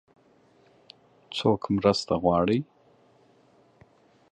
څوک مرسته غواړي؟